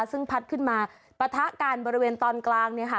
ซึ่งพัดขึ้นมาปะทะกันบริเวณตอนกลางเนี่ยค่ะ